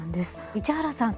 市原さん